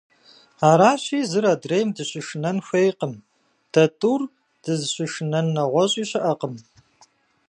Арыщи зыр адрейм дыщышынэн хуейкъым, дэ тӀур дызыщышынэн нэгъуэщӀи щыӀэкъым.